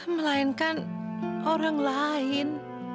melainkan orang lain